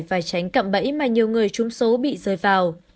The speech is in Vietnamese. và tránh cậm bẫy mà nhiều người trúng số bị rơi vào